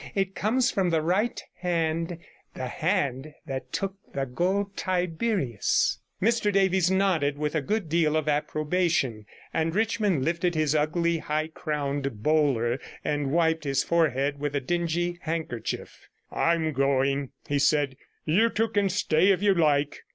It comes from the right hand, the hand that took the Gold Tiberius.' Mr Davies nodded with a good deal of approbation, and Richmond lifted his ugly high crowned bowler, and wiped his forehead with a dingy handkerchief. 'I'm going,' he said; 'you two can stay if you like.'